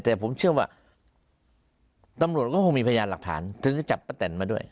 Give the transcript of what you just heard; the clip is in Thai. แต่ผมเชื่อว่าตำรวจก็คงมีพยานหลักฐานถึงจะจับป้าแตนมาด้วย